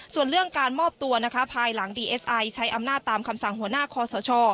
ส่วนเรื่องการมอบตัวนะคะภายหลังดีเอสไอใช้อำนาจตามคำสั่งหัวหน้าคอสช